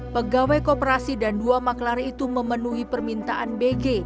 pegawai koperasi dan dua maklar itu memenuhi permintaan bg